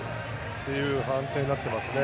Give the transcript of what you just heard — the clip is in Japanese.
という判定になっていますね。